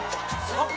あっ！